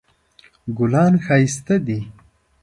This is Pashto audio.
ګلان ښایسته دي